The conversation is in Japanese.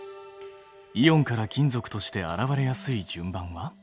イオンから金属として現れやすい順番は？